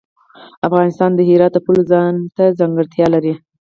افغانستان د هرات د پلوه ځانته ځانګړتیا لري.